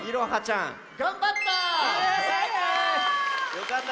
よかった。